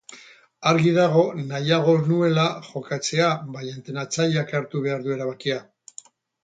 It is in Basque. Argi dago nahiago nuela jokatzea, baina entrenatzaileak hartu behar du erabakia.